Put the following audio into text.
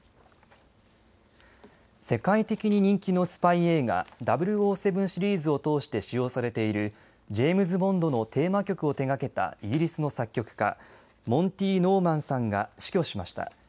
世界的に人気のスパイ映画、００７シリーズを通して使用されているジェームズ・ボンドのテーマ曲を手がけたイギリスの作曲家、モンティ・ノーマンさんが死去しました。